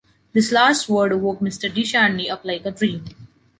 This last word woke Mr. de Charny up like a dream.